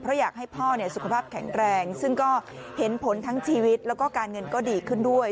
เพราะอยากให้พ่อสุขภาพแข็งแรงซึ่งก็เห็นผลทั้งชีวิตแล้วก็การเงินก็ดีขึ้นด้วย